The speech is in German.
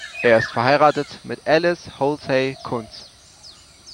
Er ist verheiratet mit Alice Holzhey-Kunz.